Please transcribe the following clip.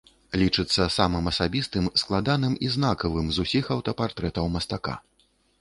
Лічыцца самым асабістым, складаным і знакавым з усіх аўтапартрэтаў мастака.